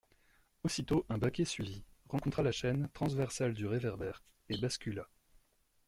Aussitôt un baquet suivit, rencontra la chaîne transversale du réverbère, et bascula.